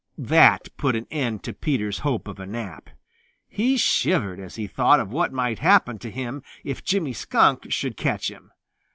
That put an end to Peter's hope of a nap. He shivered as he thought of what might happen to him if Jimmy Skunk should catch him.